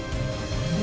thuế giá trị gia tăng